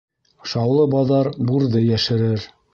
Шаулы баҙар бурҙы йәшерер.